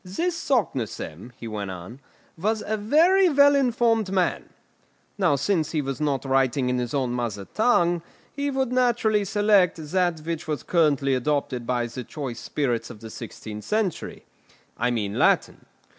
"This Saknussemm," he went on, "was a very well informed man; now since he was not writing in his own mother tongue, he would naturally select that which was currently adopted by the choice spirits of the sixteenth century; I mean Latin.